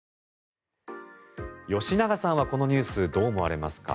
吉永さんは、このニュースどう思われますか？